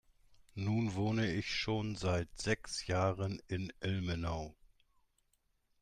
Nun wohne ich schon seit sechs Jahren in Ilmenau.